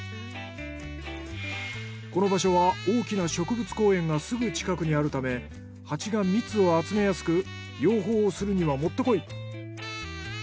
この場所は大きな植物公園がすぐ近くにあるためハチが蜜を集めやすく養蜂をするにはもってこい。